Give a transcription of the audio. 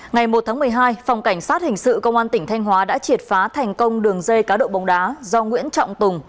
ngày một tháng một mươi hai phòng cảnh sát hình sự công an tỉnh thanh hóa đã triệt phá thành công đường dây cá độ bóng đá do nguyễn trọng tùng